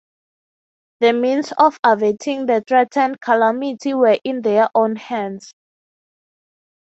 The means of averting the threatened calamity were in their own hands.